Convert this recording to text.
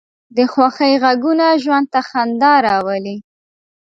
د خوښۍ غږونه ژوند ته خندا راولي